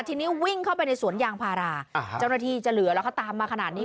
ทีนี้วิ่งเข้าไปในสวนยางพาราเจ้าหน้าที่จะเหลือแล้วเขาตามมาขนาดนี้